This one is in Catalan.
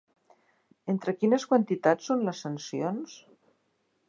Entre quines quantitats són les sancions?